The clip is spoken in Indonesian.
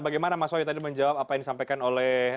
bagaimana mas wahyu tadi menjawab apa yang disampaikan oleh